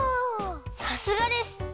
さすがです！